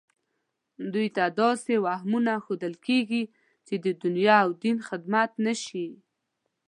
دوی ته داسې وهمونه ښودل کېږي چې د دنیا او دین خدمت نه شي